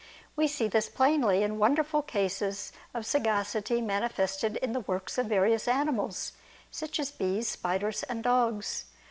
We see this plainly, in wonderful cases of sagacity manifested in the works of various animals, such as bees, spiders, and dogs.